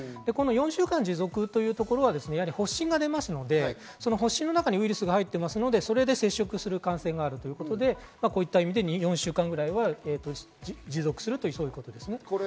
４週間持続というところは発疹が出ますので、発疹の中にウイルスが入っていますのでそれで接触する感染があるということで、こういう意味で４週間ぐらいは持続するということです。